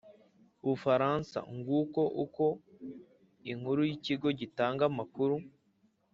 bufaransa». nguko uko inkuru y'ikigo gitanga amakuru